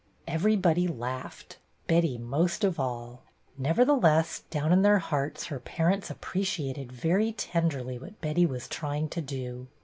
Everybody laughed, Betty most of all. Nevertheless, down in their hearts, her par ents appreciated very tenderly what Betty was trying to do.